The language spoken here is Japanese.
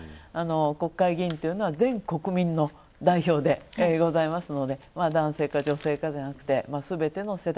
国会議員っていうのは全国民の代表でございますので男性か女性かではなくて、すべての世代。